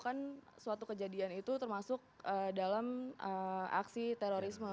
karena saya merasa kejadian itu termasuk dalam aksi terorisme